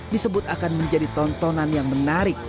disebut akan menjadi tontonan yang menarik